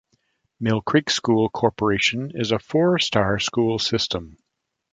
Mill Creek School Corporation is a four-star school system.